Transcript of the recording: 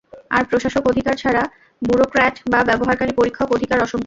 আর প্রশাসক অধিকার ছাড়া ব্যুরোক্র্যাট বা ব্যবহারকারী পরীক্ষক অধিকার অসম্পূর্ণ?